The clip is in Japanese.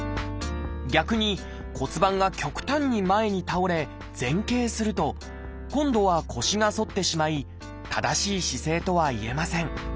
逆に骨盤が極端に前に倒れ前傾すると今度は腰が反ってしまい正しい姿勢とはいえません。